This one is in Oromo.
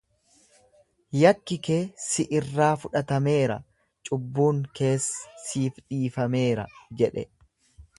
Yakki kee si irraa fudhatameera, cubbuun kees siif dhiifameera jedhe.